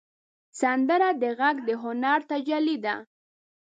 سندره د غږ د هنر تجلی ده